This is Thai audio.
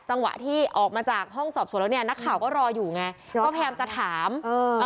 จังหวะที่ออกมาจากห้องสอบสวนแล้วเนี่ยนักข่าวก็รออยู่ไงครับก็พยายามจะถามเออ